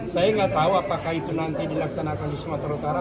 saya nggak tahu apakah itu nanti dilaksanakan di sumatera utara